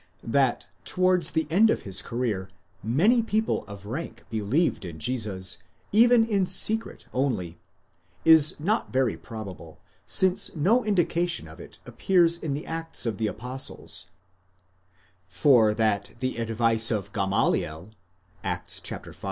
'That towards the end of his career many people of rank believed in Jesus, even in secret only, is not very probable, since no indication of it appears in the Acts of the Apostles ; for that the advice of Gamaliel (Acts v.